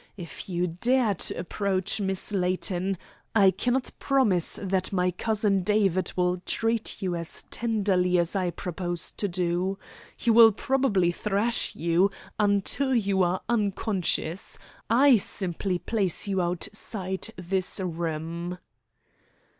If you dare to approach Miss Layton, I cannot promise that my cousin David will treat you as tenderly as I propose to do. He will probably thrash you until you are unconscious. I simply place you outside this room."